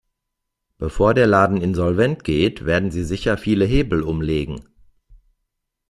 Bevor der Laden insolvent geht, werden sie sicher viele Hebel umlegen.